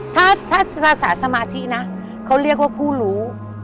ถ้าภาษาสมาธินะเขาเรียกว่าผู้รู้